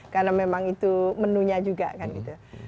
karena memang itu menunya juga kan gitu